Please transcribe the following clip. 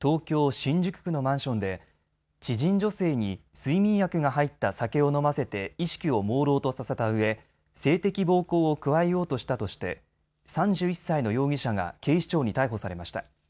新宿区のマンションで知人女性に睡眠薬が入った酒を飲ませて意識をもうろうとさせたうえ性的暴行を加えようとしたとして３１歳の容疑者が警視庁に逮捕されました。